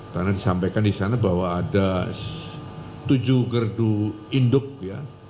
karena disampaikan di sana bahwa ada tujuh gerdu induk ya